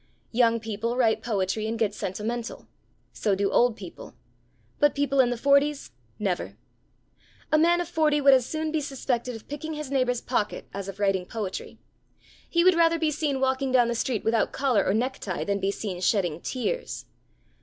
Young people write poetry and get sentimental: so do old people. But people in the forties never! A man of forty would as soon be suspected of picking his neighbour's pocket as of writing poetry. He would rather be seen walking down the street without collar or necktie than be seen shedding tears.